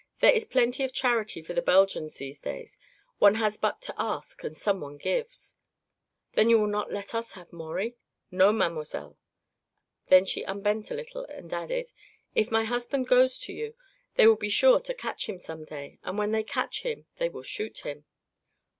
"There is plenty of charity for the Belgians these days. One has but to ask, and someone gives." "Then you will not let us have Maurie?" "No, mademoiselle." Then she unbent a little and added: "If my husband goes to you, they will be sure to catch him some day, and when they catch him they will shoot him."